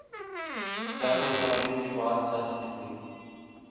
طاہر القادری کی بات سچ نکلی ۔